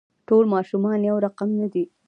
ټول ماشومان يو رقم نه دي.